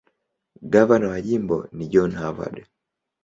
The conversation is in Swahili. Gavana wa jimbo ni John Harvard.